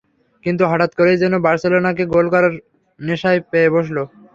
কিন্তু হঠাৎ করেই যেন বার্সেলোনাকে গোল নষ্ট করার নেশায় পেয়ে বসল।